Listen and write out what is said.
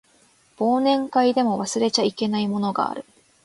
忘年会でも忘れちゃいけないものがある